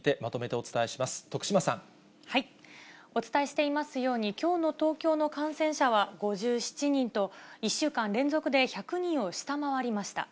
お伝えしていますように、きょうの東京の感染者は５７人と、１週間連続で１００人を下回りました。